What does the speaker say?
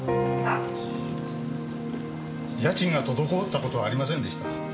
家賃が滞った事はありませんでした。